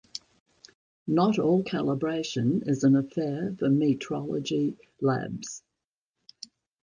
Not all calibration is an affair for metrology labs.